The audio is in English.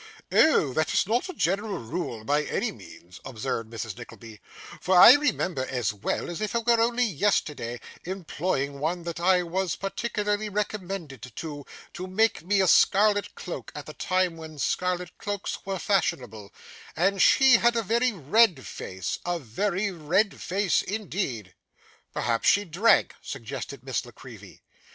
'Oh! that's not a general rule by any means,' observed Mrs. Nickleby; 'for I remember, as well as if it was only yesterday, employing one that I was particularly recommended to, to make me a scarlet cloak at the time when scarlet cloaks were fashionable, and she had a very red face a very red face, indeed.' 'Perhaps she drank,' suggested Miss La Creevy.